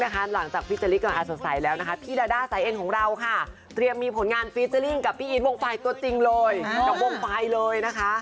ก็จริงเลยกับวงฟลายเลยนะคะ